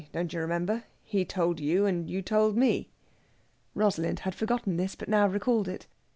Don't you remember? He told you and you told me...." Rosalind had forgotten this, but now recalled it.